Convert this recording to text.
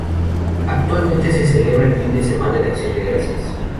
Actualmente se celebra el fin de semana de Acción de Gracias.